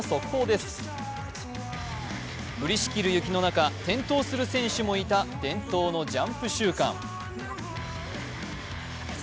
降りしきる雪の中、転倒する選手もいた伝統のジャンプ週間。